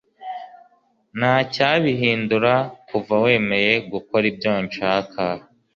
ntacyabihindura kuva wemeye gukora ibyo nshaka